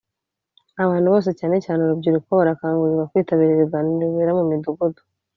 Abantu bose cyane cyane urubyiruko barakangurirwa kwitabira ibiganiro bibera mu Midugudu